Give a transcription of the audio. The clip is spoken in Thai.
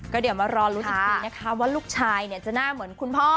ก็เดี๋ยวมารอรู้อีกทีนะคะว่าลูกชายจะหน้าเหมือนคุณพ่อ